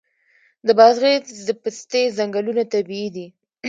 د بادغیس د پستې ځنګلونه طبیعي دي.